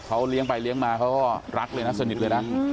เขาเลี้ยงไปเลี้ยงมาเขาก็รักเลยนะสนิทเลยนะ